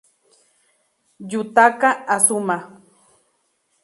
Yutaka Azuma